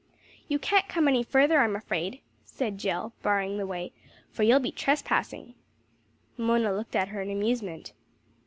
"You can't come any further, I'm afraid," said Jill barring the way; "for you'll be trespassing." Mona looked at her in amusement.